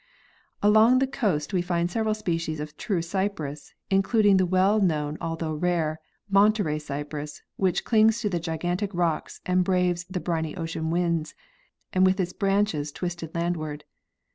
Along the coast we find several species of true cypress, in cluding the well known although rare Monterey cypress which clings to the gigantic rocks and braves the briny ocean winds, and with its branches twisted landward.